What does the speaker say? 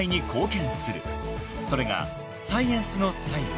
［それがサイエンスのスタイル］